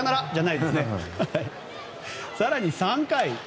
更に３回。